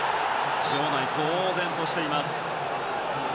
場内騒然としています。